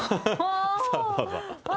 さあどうぞ。